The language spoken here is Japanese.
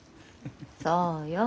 そうよ。